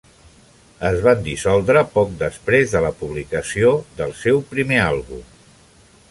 Es van dissoldre poc després de la publicació del seu primer àlbum.